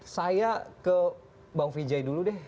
saya ke bang vijay dulu deh